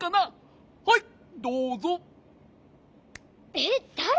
えっだれ！？